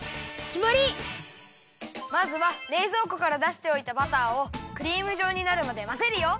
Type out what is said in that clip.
まずはれいぞうこからだしておいたバターをクリームじょうになるまでまぜるよ！